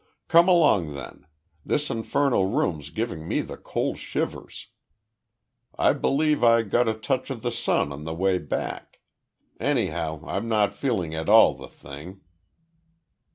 Come along then. This infernal room's giving me the cold shivers. I believe I got a touch of the sun on the way back. Anyhow, I'm not feeling at all the thing."